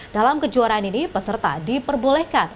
dalam kejuaraan ini peserta diperbolehkan